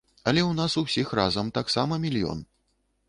Але ў нас усіх разам таксама мільён.